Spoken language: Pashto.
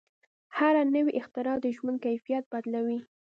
هره نوې اختراع د ژوند کیفیت بدلوي.